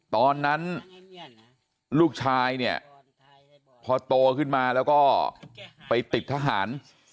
ตอนนั้นลูกชายเนี่ยพอโตขึ้นมาแล้วก็ไปติดทหาร